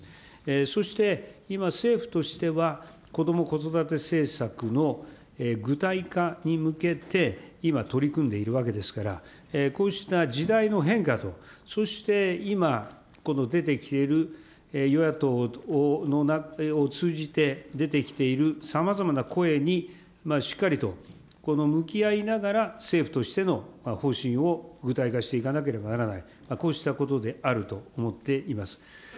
そして今、政府としてはこども・子育て政策の具体化に向けて、今、取り組んでいるわけですから、こうした時代の変化と、そして今、出てきている与野党を通じて出てきているさまざまな声にしっかりと向き合いながら政府としての方針を具体化していかなければならない、こうしたことであると思っています。